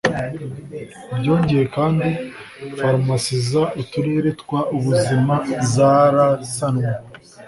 Byongeye kandi farumasi z uturere tw ubuzima zarasanwe